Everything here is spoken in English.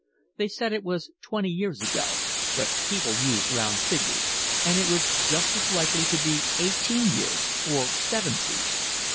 They said it was twenty years ago, but people used round figures, and it was just as likely to be eighteen years, or seventeen.